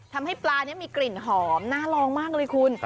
ทำให้ปลานี้มีกลิ่นหอมน่าลองมากเลยคุณ